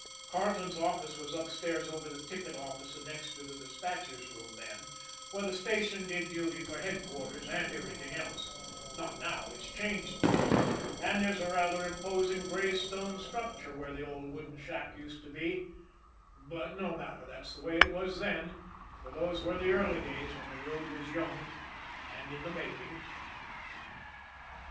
Carleton's office was upstairs over the ticket office and next to the despatchers' room then, for the station did duty for headquarters and everything else not now, it's changed now, and there's a rather imposing gray stone structure where the old wooden shack used to be; but, no matter, that's the way it was then, for those were the early days when the road was young and in the making.